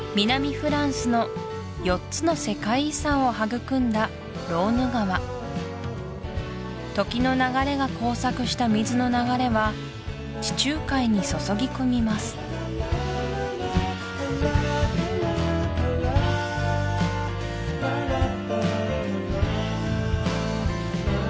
フランスの４つの世界遺産を育んだローヌ川時の流れが交錯した水の流れは地中海に注ぎ込みますえっ！！